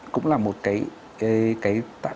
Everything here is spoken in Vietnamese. cũng là một cái